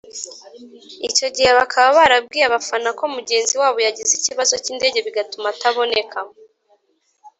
icyo gihe bakaba barabwiye abafana ko mugenzi wabo yagize ikibazo cy’indege bigatuma ataboneka